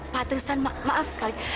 pak tersan maaf sekali